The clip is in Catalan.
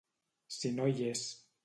Si no hi és.